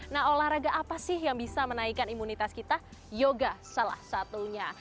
nah olahraga apa sih yang bisa menaikkan imunitas kita yoga salah satunya